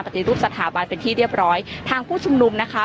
ปฏิรูปสถาบันเป็นที่เรียบร้อยทางผู้ชุมนุมนะคะ